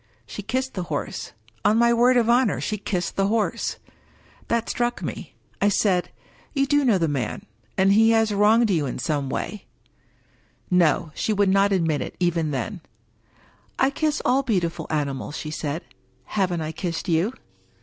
She kissed the horse— on my word of honor, she kissed the horse ! That struck me. I said. " You do know the man ; and he has wronged you in 268 WUkie Collins some way/* No ! she would not admit it, even then. " I kiss all beautiful animals/' she said. " Haven't I kissed you?"